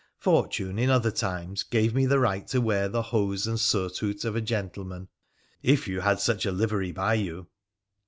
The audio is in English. Fortune, in other times, gave me the right to wear the hose and surtout of a gentleman — if you had such a livery by you.'